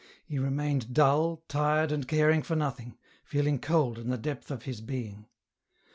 He remained dull, tired and caring for nothing, feeling cold in the depth of his being.